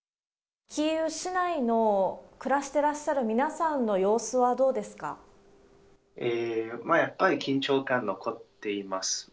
キーウ市内の、暮らしてらっしゃる皆さんの様子はどうですかやっぱり緊張感、残っています。